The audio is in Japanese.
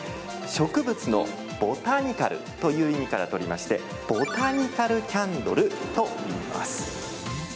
植物のボタニカルという意味から取りましてボタニカルキャンドルといいます。